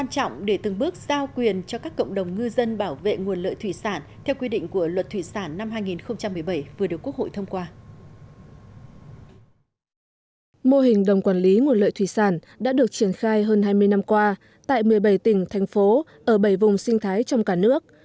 mô hình đồng quản lý nguồn lợi thủy sản đã được triển khai hơn hai mươi năm qua tại một mươi bảy tỉnh thành phố ở bảy vùng sinh thái trong cả nước